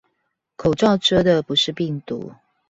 口罩遮的不是病毒